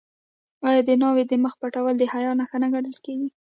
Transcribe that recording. آیا د ناوې د مخ پټول د حیا نښه نه ګڼل کیږي؟